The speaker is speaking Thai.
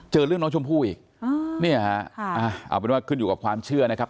เจอเรื่องน้องชมพู่อีกเนี่ยฮะเอาเป็นว่าขึ้นอยู่กับความเชื่อนะครับ